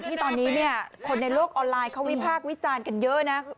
ที่ตอนนี้เนี่ยคนในโลกออนไลน์เขาวิพากษ์วิจารณ์กันเยอะนะ